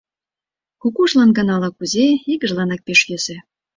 Кукужлан гын ала-кузе, игыжланак пеш йӧсӧ -